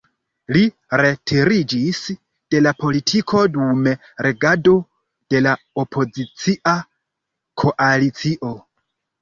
Li retiriĝis de la politiko dum regado de la opozicia koalicio.